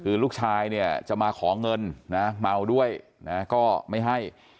คือลูกชายเนี่ยจะมาขอเงินนะเมาด้วยนะก็ไม่ให้